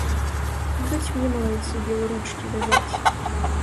Будуць мне, малайцу, белы ручкі вязаць.